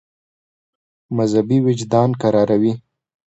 مذهبي وجدان کراروي.